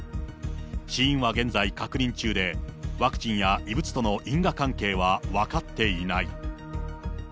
死因は現在確認中で、ワクチンや異物との因果関係は分かっていない。